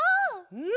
うん！